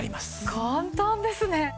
簡単ですね。